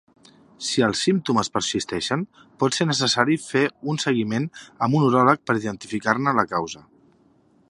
Si els símptomes persisteixen, pot ser necessari fer un seguiment amb un uròleg per identificar-ne la causa.